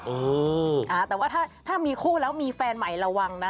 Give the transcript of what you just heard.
เอออ่าแต่ว่าถ้ามีคู่แล้วมีแฟนใหม่ระวังนะ